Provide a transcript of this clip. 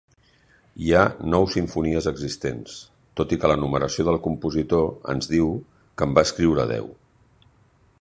Hi ha nou simfonies existents, tot i que la numeració del compositor ens diu que en va escriure deu.